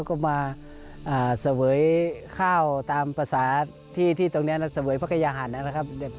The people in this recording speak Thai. พระองค์ก็มาเสวยข้าวตามภาษาที่ตรงนี้นะครับเสวยพักยาหันนะครับ